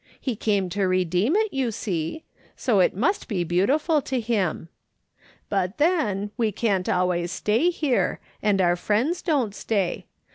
He came to redeem it, you see ; so it must be beautiful to him. But then, we can't always stay here, and our friends don't stay.